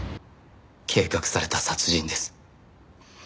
計画された殺人です。